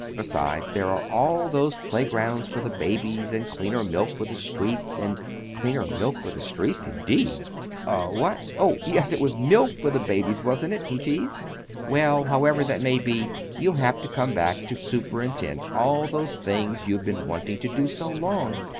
Besides, there are all those playgrounds for the babies and cleaner milk for the streets, and—" "Cleaner milk for the streets, indeed!" "Eh? What? Oh, yes, it was the milk for the babies, wasn't it?" he teased. "Well, however that may be you'll have to come back to superintend all those things you've been wanting to do so long.